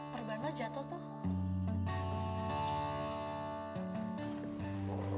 perbana jatuh tuh